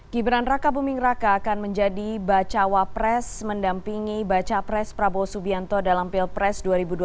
gibran raka buming raka akan menjadi bacawa pres mendampingi baca pres prabowo subianto dalam pilpres dua ribu dua puluh